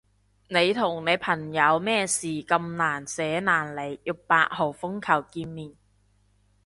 你同你朋友咩事咁難捨難離要八號風球見面？